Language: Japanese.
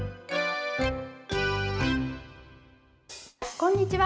こんにちは。